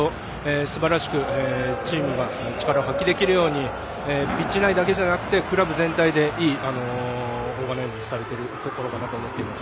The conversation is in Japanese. すばらしくチームが力を発揮できるようにピッチ内だけじゃなくてクラブ全体で、いいオーガナイズされているところがあると思っています。